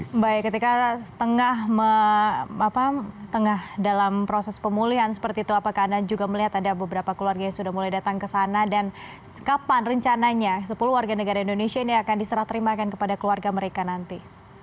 baik ketika tengah dalam proses pemulihan seperti itu apakah anda juga melihat ada beberapa keluarga yang sudah mulai datang ke sana dan kapan rencananya sepuluh warga negara indonesia ini akan diserah terimakan kepada keluarga mereka nanti